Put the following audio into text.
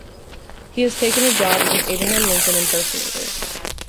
He has taken a job as an Abraham Lincoln impersonator.